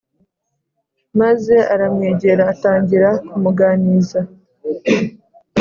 maze aramwegera atangira kumuganiza